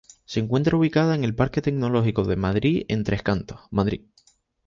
Se encuentra ubicada en el Parque Tecnológico de Madrid en Tres Cantos, Madrid.